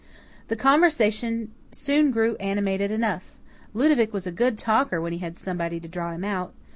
The conversation soon grew animated enough. Ludovic was a good talker when he had somebody to draw him out.